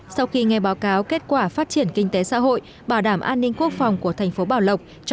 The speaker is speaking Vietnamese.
sau khi nghe báo cáo kết quả phát triển kinh tế xã hội bảo đảm an ninh quốc phòng của thành phố bảo lộc